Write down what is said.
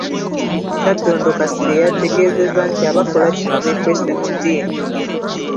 Kyaddondo Kasirye yategeezezza nti abakola kino beekwese mu ddiini